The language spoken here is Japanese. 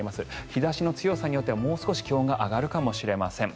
日差しの強さによってはもう少し気温が上がるかもしれません。